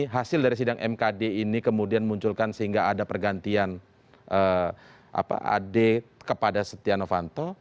hasil dari sidang mkd ini kemudian munculkan sehingga ada pergantian adi kepada setianowanto